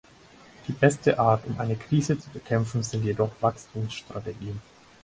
Die beste Art, um eine Krise zu bekämpfen, sind jedoch Wachstumsstrategien.